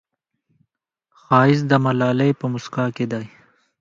ښایست د ملالې په موسکا کې دی